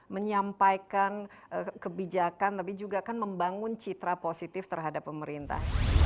menyampaikan kebijakan tapi juga kan membangun citra positif terhadap pemerintah